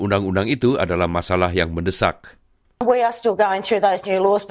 dan satu ratus empat puluh dua orang yang tidak dikeluarkan ke komunitas